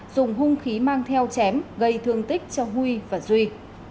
dùng hung khí mang theo chém gây thương tích cho huy và duy